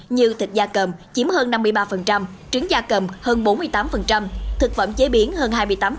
như thịt da cầm chiếm hơn năm mươi ba trứng da cầm hơn bốn mươi tám thực phẩm chế biến hơn hai mươi tám